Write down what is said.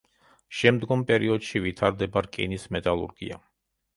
შემდგომ პერიოდში ვითარდება რკინის მეტალურგია.